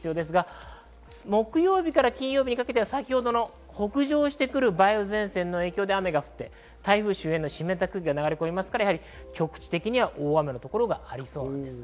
木曜日から金曜日にかけては北上してくる梅雨前線の影響で雨が降って台風周辺の湿った空気が流れ込むので、局地的に大雨のところがありそうです。